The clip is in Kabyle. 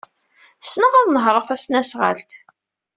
Ssneɣ ad nehṛeɣ tasnasɣalt.